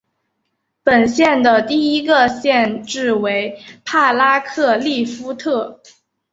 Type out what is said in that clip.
本县的第一个县治为帕拉克利夫特。